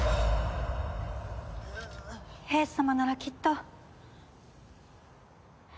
英寿様ならきっと。